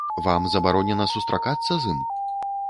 Вам забаронена сустракацца з ім?